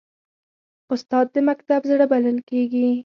استاد د مکتب زړه بلل کېږي.